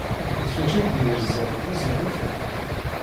D kečč ay yerẓan tazewwut-nni.